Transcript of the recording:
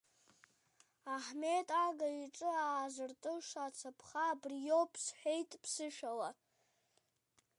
Аҳмет Ага иҿы аазыртыша ацаԥха абри иоуп, — сҳәеит ԥсышәала.